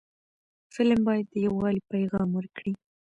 فلم باید د یووالي پیغام ورکړي